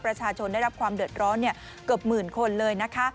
ประชาชนได้รับความเดือดร้อนเกือบหมื่นคนเลยนะคะ